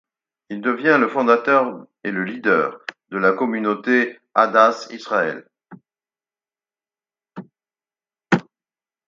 Il devient le fondateur et le leader de la communauté Adas Yisrael.